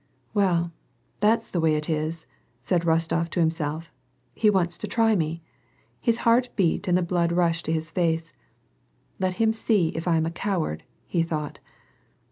" Well, that's the way it is," said Rostof to himself. " He wants to try me." His heart beat and the blood rushed to his face. " Let him see if I am a coward," he thought.